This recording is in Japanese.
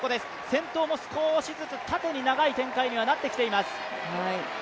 先頭も少しずつ縦に長い展開にはなってきています。